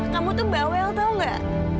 kamu tuh bawel tau gak